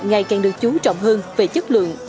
ngày càng được chú trọng hơn về chất lượng mẫu mã